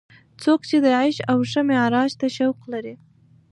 څوک چې د عیش او ښه معراج ته شوق لري.